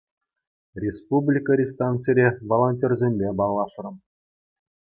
Республикӑри станцире волонтерсемпе паллашрӑм.